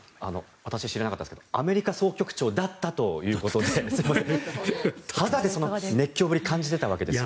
私は知らなかったですがアメリカ総局長だったということで肌でその熱狂ぶりを感じていたわけですね。